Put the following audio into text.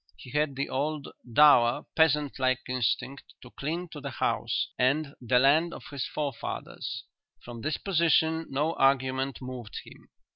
He had the old dour, peasant like instinct to cling to the house and the land of his forefathers. From this position no argument moved him.